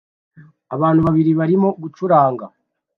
Abantu babiri barimo gucuranga